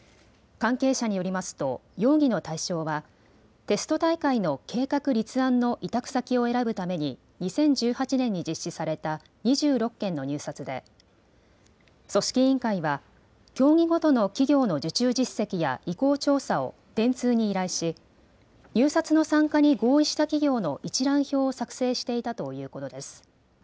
関係者によりますと容疑の対象はテスト大会の計画立案の委託先を選ぶために２０１８年に実施された２６件の入札で組織委員会は競技ごとの企業の受注実績や意向調査を電通に依頼し、入札の参加に合意した企業の一覧表を作成していたということです。